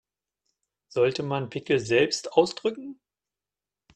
Sollte man Pickel selbst ausdrücken?